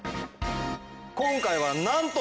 今回はなんと。